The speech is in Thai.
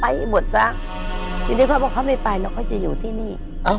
ให้หมวดซ้ำอย่างนี้เขาบอกว่าเขาไม่ไปแล้วเขาจะอยู่ที่นี่